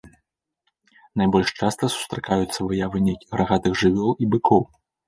Найбольш часта сустракаюцца выявы нейкіх рагатых жывёл і быкоў.